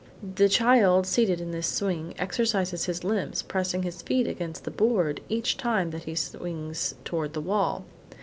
The child seated in this swing exercises his limbs, pressing his feet against the board each time that he swings toward the wall.